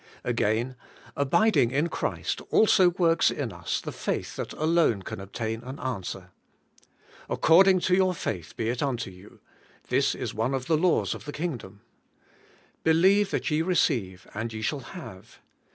Again: Abiding in Christ also works in us the faith that alone can obtain an answer. 'According to your faith be it unto you :' this is one of the laws of the kingdom. 'Believe that ye receive, and ye shall have.'